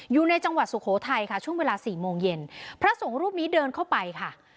อยู่ในจังหวัดสุโขทัยค่ะช่วงเวลาสี่โมงเย็นพระสงฆ์รูปนี้เดินเข้าไปค่ะ